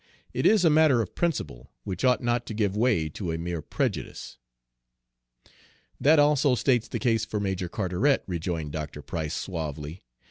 It is a matter of principle, which ought not to give way to a mere prejudice." "That also states the case for Major Carteret," rejoined Dr. Price, suavely.